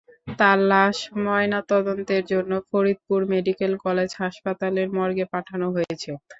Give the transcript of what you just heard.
তাঁর লাশ ময়নাতদন্তের জন্য ফরিদপুর মেডিকেল কলেজ হাসপাতালের মর্গে পাঠানো হয়েছে।